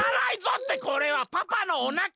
ってこれはパパのおなか！